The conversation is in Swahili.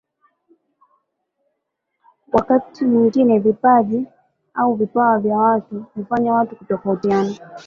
Wakati mwingine vipaji au vipawa vya watu hufanya watu kutofautiana